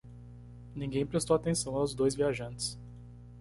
Ninguém prestou atenção aos dois viajantes.